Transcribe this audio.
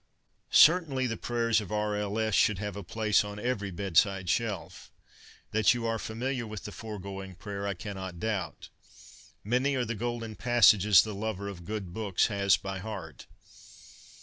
Certainly the prayers of R. L. S. should have a place on every bedside shelf. That you are familiar with the foregoing prayer, I cannot doubt. ' Many are the golden passages the lover of good books has by heart.'